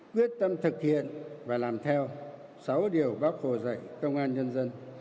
quyết tâm thực hiện và làm theo sáu điều bác hồ dạy công an nhân dân